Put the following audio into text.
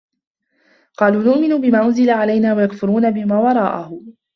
قَالُوا نُؤْمِنُ بِمَا أُنْزِلَ عَلَيْنَا وَيَكْفُرُونَ بِمَا وَرَاءَهُ